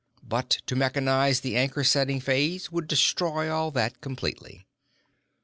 But to mechanize the anchor setting phase would destroy all that completely.